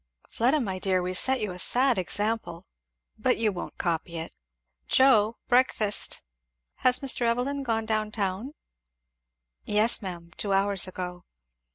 "Fleda my dear, we set you a sad example. But you won't copy it. Joe, breakfast. Has Mr. Evelyn gone down town?" "Yes, ma'am, two hours ago."